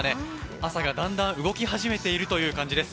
朝がだんだん動き始めているという感じです。